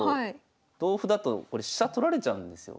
同歩だとこれ飛車取られちゃうんですよ。